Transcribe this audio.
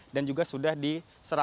dan juga sudah diserahkan